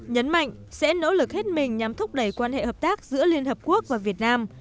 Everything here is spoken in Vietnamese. nhấn mạnh sẽ nỗ lực hết mình nhằm thúc đẩy quan hệ hợp tác giữa liên hợp quốc và việt nam